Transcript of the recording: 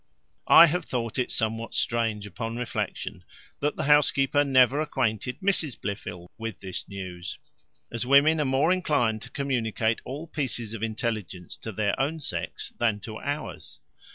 I have thought it somewhat strange, upon reflection, that the housekeeper never acquainted Mrs Blifil with this news, as women are more inclined to communicate all pieces of intelligence to their own sex, than to ours.